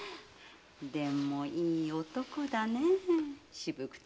でもいい男だねえ渋くてさ。